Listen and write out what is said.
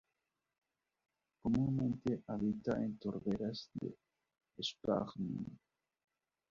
Comúnmente habita en turberas de sphagnum.